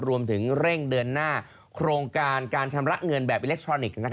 รวมถึงเร่งเดินหน้าโครงการการชำระเงินแบบอิเล็กทรอนิกส์